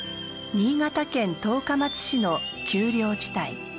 新潟県十日町市の丘陵地帯。